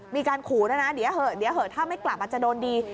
มีการขูนะเดี๋ยวเถอะถ้าไม่กลับมันจะโดนดี